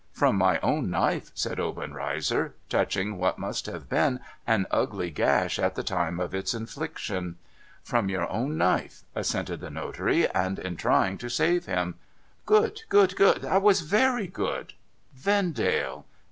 '— From my own knife,' said Obenreizer, touching what must have been an ugly gash at the time of its infliction. ' From your own knife,' assented the notary, * and in trying to save him. Good, good, good. That was very good. Vendale.